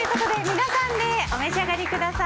皆さんでお召し上がりください。